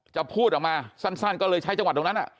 จะพูดออกมาสั้นก็เลยใช้จังหวัดตรงนั้น